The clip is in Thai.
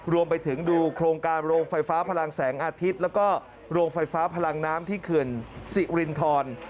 รวมไปถึงดูโครงการโรงไฟฟ้าพลังแสงอาทิตย์แล้วก็โรงไฟฟ้าพลังน้ำที่เขื่อนสิรินทร